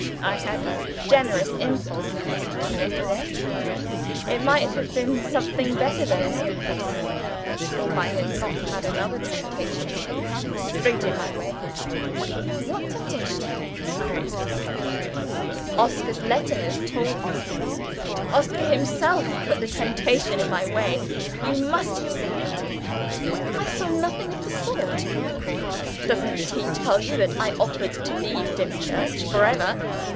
I had a generous impulse in this room, yesterday. It might have been something better than an impulse if I had not had another temptation set straight in my way." "What temptation?" I asked. "Oscar's letter has told you: Oscar himself put the temptation in my way. You must have seen it." "I saw nothing of the sort." "Doesn't he tell you that I offered to leave Dimchurch for ever?